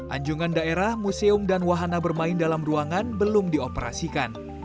anjungan daerah museum dan wahana bermain dalam ruangan belum dioperasikan